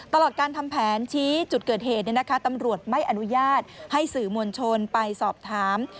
ตลอดการทำแผนชี้จุดเกิดเหตุตำรวจไม่อนุญาตให้สื่อมวลชนไปสอบถาม